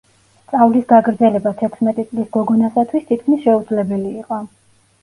სწავლის გაგრძელება თექვსმეტი წლის გოგონასათვის თითქმის შეუძლებელი იყო.